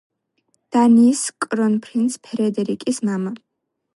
დანიის კრონპრინც ფრედერიკის მამა.